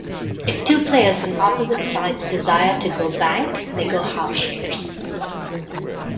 If two players on opposite sides desire to "go bank", they go half shares.